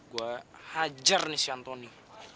gue hajar nih si antoni